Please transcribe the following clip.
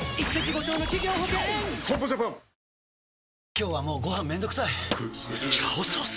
今日はもうご飯めんどくさい「炒ソース」！？